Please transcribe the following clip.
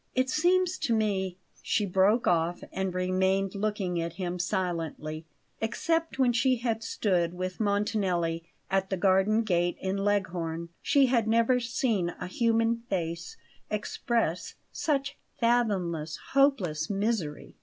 "It seems to me " She broke off and remained looking at him silently. Except when she had stood with Montanelli at the garden gate in Leghorn, she had never seen a human face express such fathomless, hopeless misery.